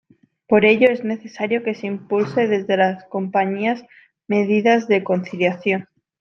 Por ello, es necesario que se impulse desde las compañías medidas de conciliación.